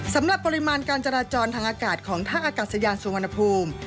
สำหรับปริมาณการจราจรทางอากาศของท่าอากาศยานสุวรรณภูมิ